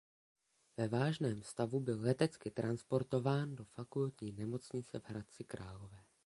Ve vážném stavu byl letecky transportován do Fakultní nemocnice v Hradci Králové.